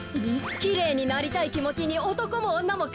きれいになりたいきもちにおとこもおんなもかわりないさ。